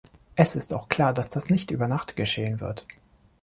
Es ist auch klar, dass das nicht über Nacht geschehen wird.